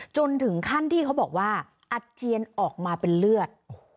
จนถึงขั้นที่เขาบอกว่าอาเจียนออกมาเป็นเลือด